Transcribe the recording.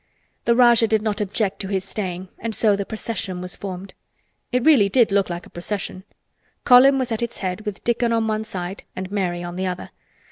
The Rajah did not object to his staying and so the procession was formed. It really did look like a procession. Colin was at its head with Dickon on one side and Mary on the other.